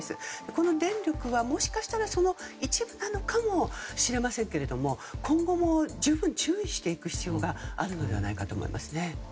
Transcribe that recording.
この電力はもしかしたらその一部かのかもしれませんけれども今後も、十分注意していく必要があるのではないかと思いますね。